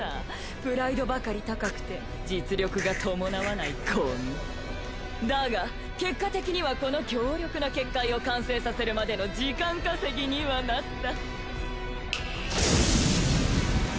プライドばかり高くて実力が伴わないゴミだが結果的にはこの強力な結界を完成させるまでの時間稼ぎにはなった